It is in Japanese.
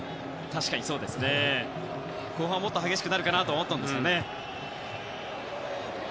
確かに後半もっと激しくなるかと思ったんですけどね。